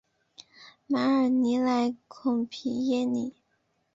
马尔尼莱孔皮耶尼。